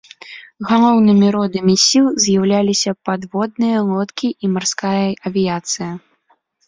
Галоўнымі родамі сіл з'яўляліся падводныя лодкі і марская авіяцыя.